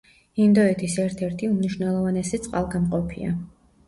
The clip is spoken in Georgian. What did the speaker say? ინდოეთის ერთ-ერთი უმნიშვნელოვანესი წყალგამყოფია.